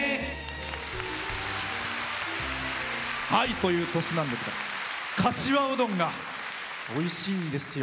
という鳥栖なんですがかしわうどんがおいしいんですよ。